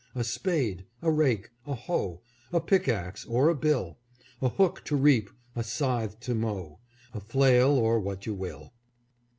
A spade, a rake, a hoe, A pick ax, or a bill ; A hook to reap, a scythe to mow, A flail, or what you will.